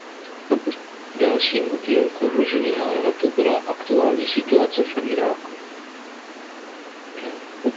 Dalším motivem k odložení návratu byla aktuální situace v Iráku.